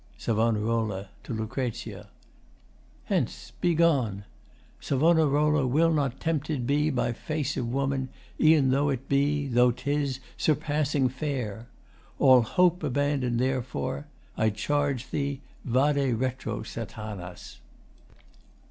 SAV. [To LUC.] Hence! Begone! Savonarola will not tempted be By face of woman e'en tho' 't be, tho' 'tis, Surpassing fair. All hope abandon therefore. I charge thee: Vade retro, Satanas.